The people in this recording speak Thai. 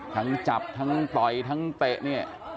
ทั้งจับทั้งปล่อยทั้งเตะ